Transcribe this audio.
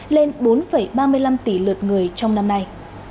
lên bốn ba mươi năm tỷ lượt người trong năm nay